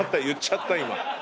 言っちゃった今。